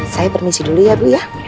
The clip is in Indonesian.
saya permisi dulu ya bu ya